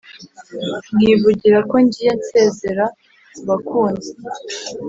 Nkivugira ko ngiye Nsezera ku bakunzi?